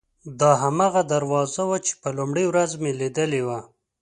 دا هماغه دروازه وه چې په لومړۍ ورځ مې لیدلې وه.